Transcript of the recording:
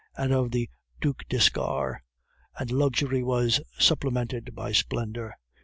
and of the Duc d'Escars, and luxury was supplemented by splendor.